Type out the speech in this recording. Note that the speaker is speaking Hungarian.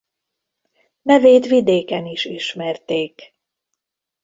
Nevét vidéken is ismerték.